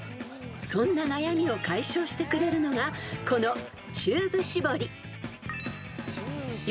［そんな悩みを解消してくれるのがこの］